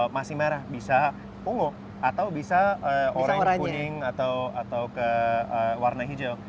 masih merah bisa ungu atau bisa orang ke kuning atau ke warna hijau